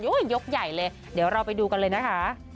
ยกใหญ่เลยเดี๋ยวเราไปดูกันเลยนะคะ